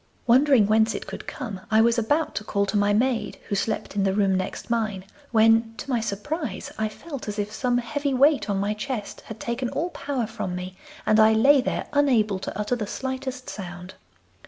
Wondering whence it could come, I was about to call to my maid who slept in the room next mine, when, to my surprise, I felt as if some heavy weight on my chest had taken all power from me, and I lay there unable to utter the slightest sound.